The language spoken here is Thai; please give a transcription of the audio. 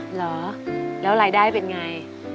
เหรอแล้วรายได้เป็นไง